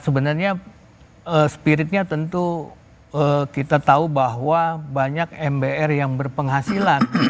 sebenarnya spiritnya tentu kita tahu bahwa banyak mbr yang berpenghasilan